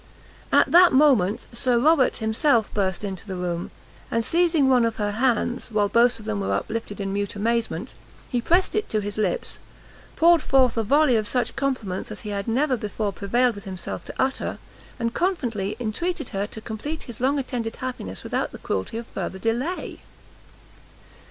At that moment Sir Robert himself burst into the room, and seizing one of her hands, while both of them were uplifted in mute amazement, he pressed it to his lips, poured forth a volley of such compliments as he had never before prevailed with himself to utter, and confidently entreated her to complete his long attended happiness without the cruelty of further delay.